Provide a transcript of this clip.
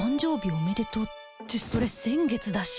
おめでとうってそれ先月だし